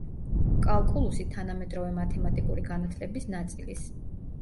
კალკულუსი თანამედროვე მათემატიკური განათლების ნაწილის.